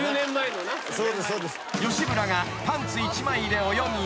［吉村がパンツ一枚で泳ぎ］